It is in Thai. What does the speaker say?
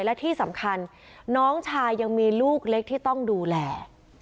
และที่สำคัญน้องชายยังมีลูกเล็กที่ต้องดูแล